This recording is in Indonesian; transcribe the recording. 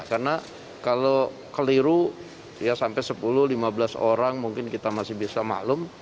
karena kalau keliru sampai sepuluh lima belas orang mungkin kita masih bisa maklum